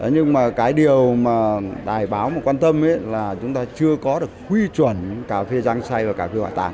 nhưng mà cái điều mà đài báo mà quan tâm là chúng ta chưa có được quy chuẩn cà phê giang say và cà phê bảo tàng